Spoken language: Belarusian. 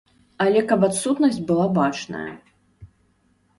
Але каб адсутнасць была бачная.